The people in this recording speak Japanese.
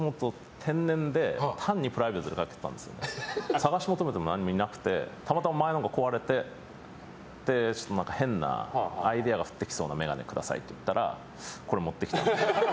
探し求めても何もいなくてたまたま前のが壊れて変なアイデアが降ってきそうな眼鏡下さいって言ったらこれ持ってきた。